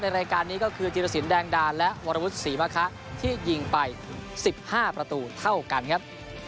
รายการนี้ก็คือธิรสินแดงดาและวรวุฒิศรีมะคะที่ยิงไป๑๕ประตูเท่ากันครับ